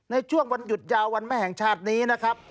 ในช่วงวันหยุดยาววันแม่แห่งชาตินี้นะครับ